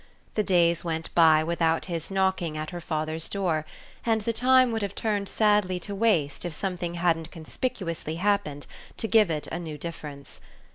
The days went by without his knocking at her father's door, and the time would have turned sadly to waste if something hadn't conspicuously happened to give it a new difference.